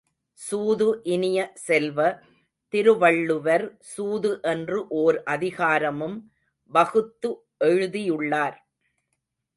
சூது இனிய செல்வ, திருவள்ளுவர் சூது என்று ஓர் அதிகாரமும் வகுத்து எழுதியுள்ளார்.